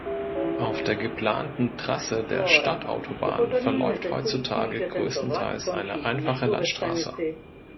Auf der geplanten Trasse der Stadtautobahn verläuft heutzutage größtenteils eine einfache Landstraße.